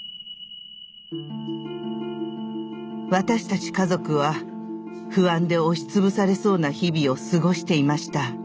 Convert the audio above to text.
私たち家族は不安で押し潰されそうな日々を過ごしていました。